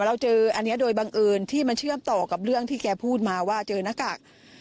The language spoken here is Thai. เราเจออันนี้โดยบังเอิญที่มันเชื่อมต่อกับเรื่องที่แกพูดมาว่าเจอหน้ากาก